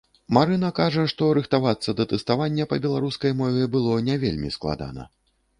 Марына кажа, што рыхтавацца да тэставання па беларускай мове было не вельмі складана.